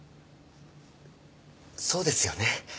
そうですよね。